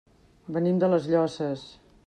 Venim de les Llosses.